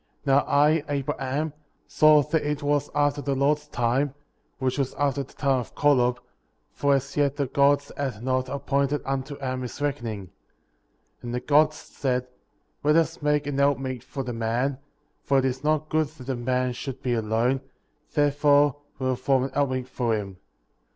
Now I, Abraham, saw that it was after the Lord's time,^ which was after the time of Kolob;*' for as yet the Gods had not appointed unto Adam his reckoning. 14. And the Gods said: Let us make an help meet for the man, for it is not good that the man should be alone, therefore we will form an help meet for him.'^ 15.